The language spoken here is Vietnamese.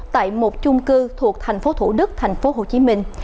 tại một chung cư thuộc thành phố thủ đức thành phố hồ chí minh